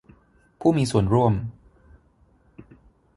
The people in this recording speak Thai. ผู้มีส่วนร่วม